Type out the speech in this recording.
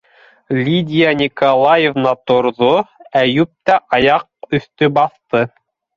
- Лидия Николаевна торҙо, Әйүп тә аяғөҫтө баҫты.